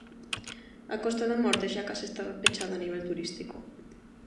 A Costa da Morte xa case estaba pechada a nivel turístico.